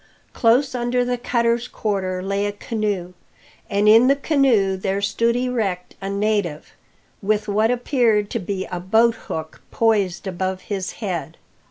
Close under the cutter's quarter lay a canoe, and in the canoe there stood erect a native, with what appeared to be a boathook poised above his head.